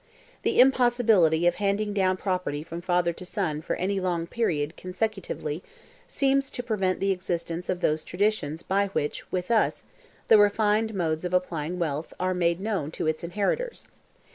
The impossibility of handing down property from father to son for any long period consecutively seems to prevent the existence of those traditions by which, with us, the refined modes of applying wealth are made known to its inheritors.